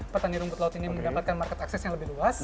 petani rumput laut ini mendapatkan market akses yang lebih luas